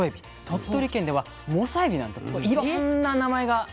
鳥取県ではモサエビなんていろんな名前があるんですね。